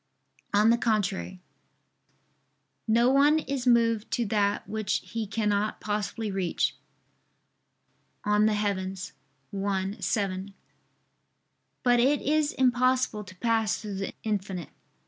On the contrary, "No one is moved to that which he cannot possibly reach" (De Coelo i, 7). But it is impossible to pass through the infinite.